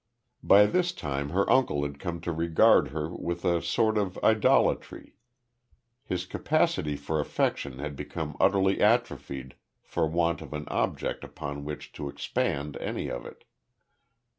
By this time her uncle had come to regard her with a sort of idolatry. His capacity for affection had become utterly atrophied for want of an object upon which to expend any of it.